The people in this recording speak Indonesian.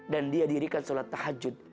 dan dia hadirkan sholat tahajud